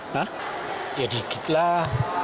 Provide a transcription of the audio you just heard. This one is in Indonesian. hah ya dikit lah